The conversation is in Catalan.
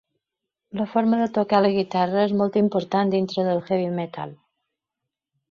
La forma de tocar la guitarra és molt important dintre del heavy metal.